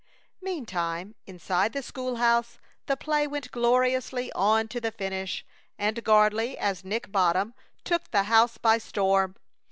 Meantime, inside the school house, the play went gloriously on to the finish, and Gardley as Nick Bottom took the house by storm.